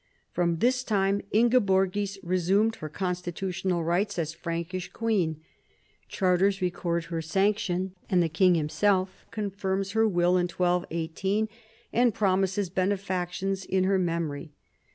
From this time Ingeborgis resumed her constitutional rights as Frankish queen. Charters record her sanction, and the king himself confirms her will in 1218 and promises benefactions in her memory.